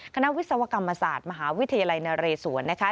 วิศวกรรมศาสตร์มหาวิทยาลัยนเรศวรนะคะ